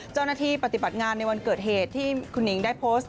เจ้าหน้าที่ปฏิบัติงานในวันเกิดเหตุที่คุณหญิงได้โพสต์